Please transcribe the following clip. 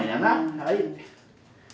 はい。